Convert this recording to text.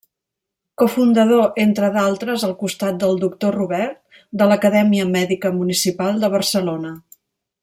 Cofundador, entre d'altres al costat del Doctor Robert, de l'Acadèmia Mèdica Municipal de Barcelona.